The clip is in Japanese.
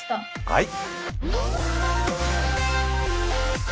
はい。